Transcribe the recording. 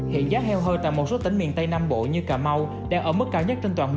hiện giá heo hơi tại một số tỉnh miền tây nam bộ như cà mau đang ở mức cao nhất trên toàn miền